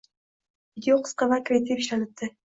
Video qisqa va kreativ ishlanibdi.